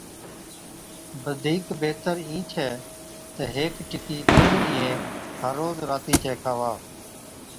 بڌِيڪ بِهتر اِين ڇَي تہ هيڪ ٽِڪِي ڪهِين ڏِينهين هر روز راتِي چَي کاوا۔